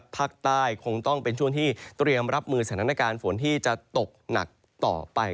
ภาคใต้คงต้องเป็นช่วงที่เตรียมรับมือสถานการณ์ฝนที่จะตกหนักต่อไป